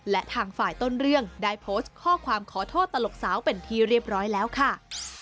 และทางฝ่ายต้นเรื่องได้โพสต์ข้อความขอโทษตลกสาวเป็นที่เรียบร้อยแล้วค่ะ